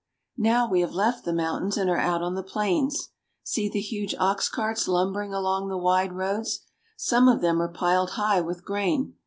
Now we have left the mountains, and are out on the plains. See the huge ox carts lumbering along the wide roads ! Some of them are piled high with grain.